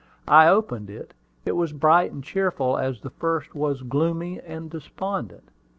I opened it: it was bright and cheerful as the first was gloomy and despondent.